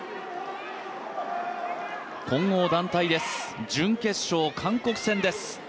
混合団体、準決勝韓国戦です。